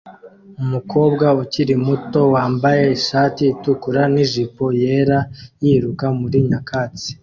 umukobwa ukiri muto wambaye ishati itukura nijipo yera yiruka muri nyakatsi